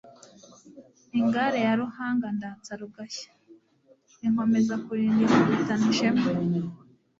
Ingare ya Ruhanga ndatsa rugashya. Inkomeza kulinda ikubitana ishema